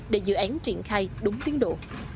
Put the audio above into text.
để dự án triển khai đúng tiến độ